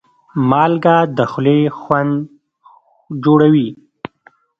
مالګه د خولې خوند جوړوي.